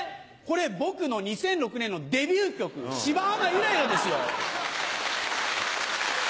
これ僕の２００６年のデビュー曲『芝浜ゆらゆら』ですよ。